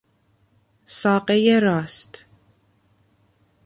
ساقهی راست